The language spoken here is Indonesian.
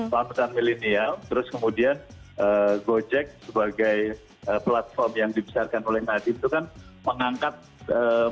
paham bukan milenial terus kemudian gojek sebagai platform yang dibesarkan oleh nadiem itu kan mengangkat mengurangi tingkat pengangguran sampai